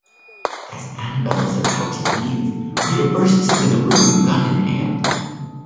As Annabel is about to leave, Rita bursts into the room, gun in hand.